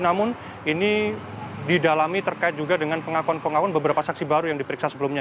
namun ini didalami terkait juga dengan pengakuan pengakuan beberapa saksi baru yang diperiksa sebelumnya